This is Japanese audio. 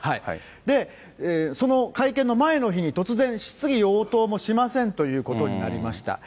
その会見の前の日に、突然質疑応答もしませんということになりました。